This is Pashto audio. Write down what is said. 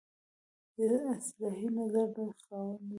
د اصلاحي نظر لوی خاوند وي.